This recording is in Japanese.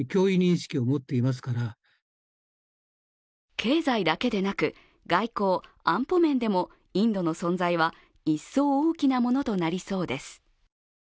経済だけでなく、外交・安保面でもインドの存在は一層大きなものとなりそうです。